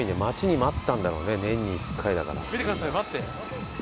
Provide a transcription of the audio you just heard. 待って。